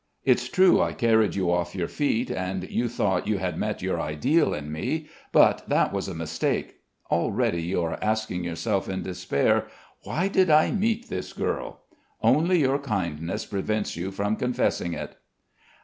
It's true I carried you off your feet, and you thought you had met your ideal in me, but that was a mistake. Already you are asking yourself in despair, 'Why did I meet this girl?' Only your kindness prevents you from confessing it."